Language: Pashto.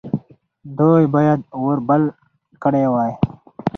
دوی باید اور بل کړی وای.